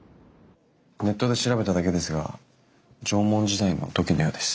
ネットで調べただけですが縄文時代の土器のようです。